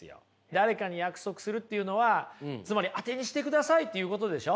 誰かに約束するっていうのはつまりアテにしてくださいっていうことでしょ。